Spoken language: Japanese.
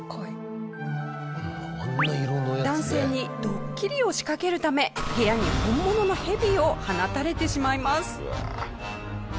男性にドッキリを仕掛けるため部屋に本物のヘビを放たれてしまいます。